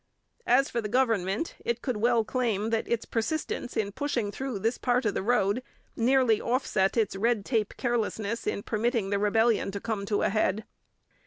As for the government, it could well claim that its persistence in pushing through this part of the road nearly offset its red tape carelessness in permitting the rebellion to come to a head.